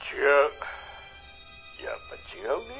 「やっぱ違うねえ